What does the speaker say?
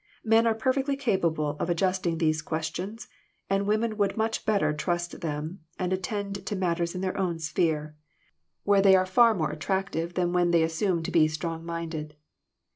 Men are perfectly capable of adjusting these questions, and women would much better trust them, and attend to matters in their own sphere, where they are far more attractive than when FANATICISM. 337 they assume to be strong minded.